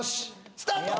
スタート